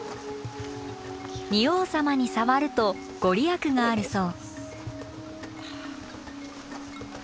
仁王様に触ると御利益があるそう。